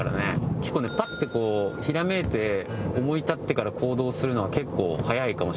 結構ねパッてこうひらめいて思い立ってから行動するのは結構早いかもしれないですね。